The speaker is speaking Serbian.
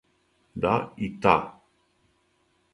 Да, и та.